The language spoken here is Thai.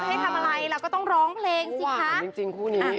จะให้ทำอะไรเราก็ต้องร้องเพลงสิคะ